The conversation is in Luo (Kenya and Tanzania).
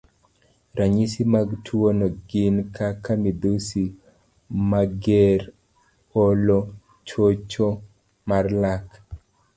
Ranyisi mag tuwono gin kaka midhusi mager, olo, chocho mar lak,